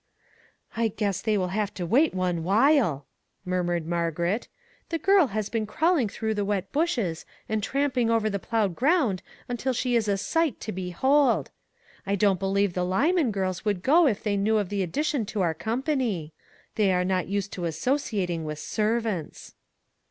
" I guess they will have to wait one while !" murmured Margaret. " The girl has been crawling through the wet bushes and tramping over the plowed ground until she is a sight to behold. I don't believe the Lyman girls would go if they knew of the addition to our com pany; they are not used to associating with servants."